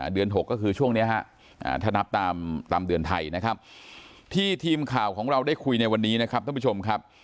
เดือน๖ก็คือช่วงนี้ถ้านับตามเดือนไทยนะครับที่ทีมข่าวของเราได้คุยในวันนี้นะครับท่านผู้ชมครับ